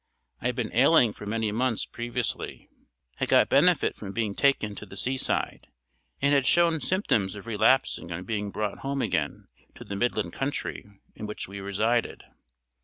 I had been ailing for many months previously; had got benefit from being taken to the sea side, and had shown symptoms of relapsing on being brought home again to the midland county in which we resided.